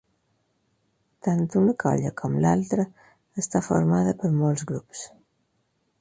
Tant una colla com l'altra està formada per molts grups.